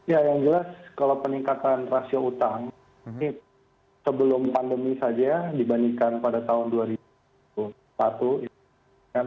ya yang jelas kalau peningkatan rasio utang ini sebelum pandemi saja dibandingkan pada tahun dua ribu satu